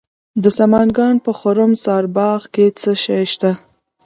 د سمنګان په خرم سارباغ کې څه شی شته؟